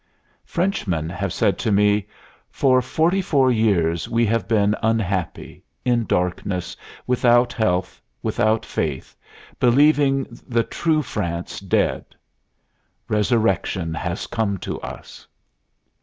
Frenchmen have said to me: "For forty four years we have been unhappy, in darkness, without health, without faith, believing the true France dead. Resurrection has come to us."